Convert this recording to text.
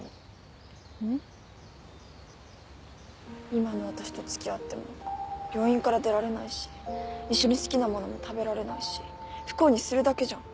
今の私と付き合っても病院から出られないし一緒に好きなものも食べられないし不幸にするだけじゃん。